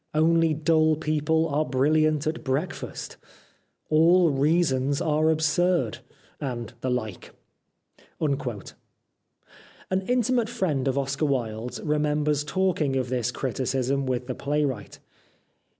' Only dull people are brilliant at breakfast. ..'' All reasons are absurd,' and the like." An intimate friend of Oscar Wilde's remembers talking of this criticism with the playwright.